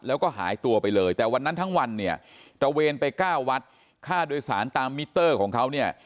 แล้วก็หายตัวไปเลยแต่วันนั้นทั้งวันเนี่ยตระเวนไป๙วัดค่าโดยสารตามมิเตอร์ของเขาเนี่ย